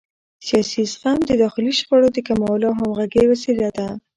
سیاسي زغم د داخلي شخړو د کمولو او همغږۍ وسیله ده